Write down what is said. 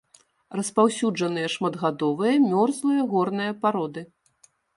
Распаўсюджаныя шматгадовыя мёрзлыя горныя пароды.